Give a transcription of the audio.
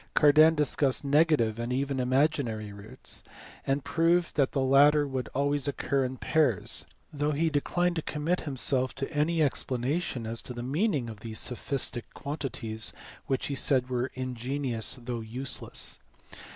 Cardan discussed negative and even imaginary roots, and proved that the latter would always occur in pairs, though he declined to commit himself to any explanation as to the meaning of these "sophistic" quantities which he said were ingenious though useless.